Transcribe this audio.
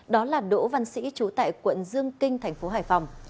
đó là đỗ văn sĩ chú tại quận dương kinh tp hải phòng